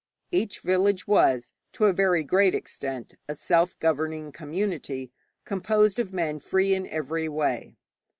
Each village was to a very great extent a self governing community composed of men free in every way.